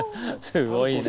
すごいな。